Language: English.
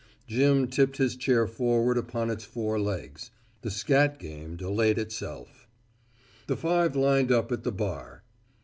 Jim tipped his chair forward upon its four legs. The scat game delayed itself. The five lined up at the bar.